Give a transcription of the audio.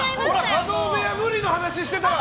角部屋無理の話してたら。